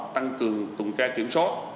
tăng cường tổ tuần tra kiểm soát